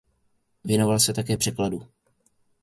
Věnoval se také překladu.